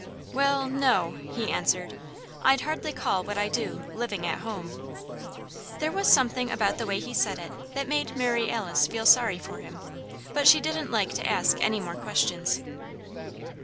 "Well, no," he answered, "I'd hardly call what I do 'living at home.'" There was something about the way he said it that made Mary Alice feel sorry for him; but she didn't like to ask any more questions.